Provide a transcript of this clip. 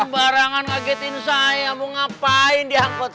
barangan kagetin saya mau ngapain diangkut